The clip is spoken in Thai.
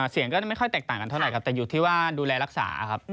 เสียงก็ไม่ค่อยแตกต่างกันเท่าไหร่ครับแต่อยู่ที่ว่าดูแลรักษาครับ